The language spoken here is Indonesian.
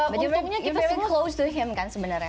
you're very close to him kan sebenarnya